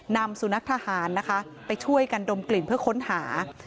นำสุนัขทหารนะคะไปช่วยกันดมกลิ่นเพื่อค้นหา